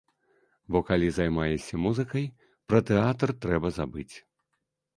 Бо калі займаешся музыкай, пра тэатр трэба забыць.